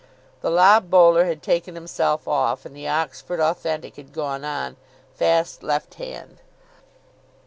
The lob bowler had taken himself off, and the Oxford Authentic had gone on, fast left hand.